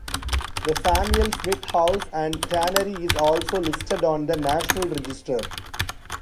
The Samuel Smith House and Tannery is also listed on the National Register.